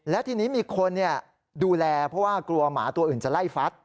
แล้วทีนี้มีคนดูแลเพราะว่ากลัวหมาตัวอื่นจะไล่ฟัด